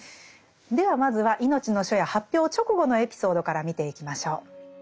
ではまずは「いのちの初夜」発表直後のエピソードから見ていきましょう。